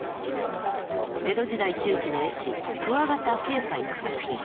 江戸時代中期の絵師鍬形斎の作品。